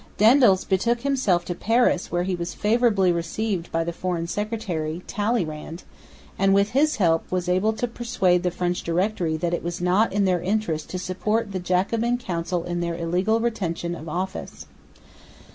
Daendels betook himself to Paris, where he was favourably received by the Foreign Secretary, Talleyrand, and with his help was able to persuade the French Directory that it was not in their interest to support the Jacobin Council in their illegal retention of office.